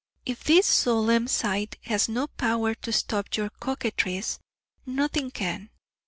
If this solemn sight has no power to stop your coquetries, nothing can.